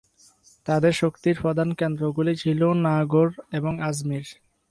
তাদের শক্তির প্রধান কেন্দ্রগুলি ছিল নাগৌড় এবং আজমির।